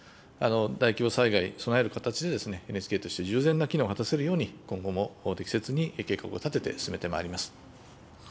大規模災害に備える形で、ＮＨＫとして十全な機能を果たせるように、今後も適切に計画を立てて進めてまいります。